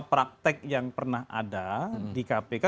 praktek yang pernah ada di kpk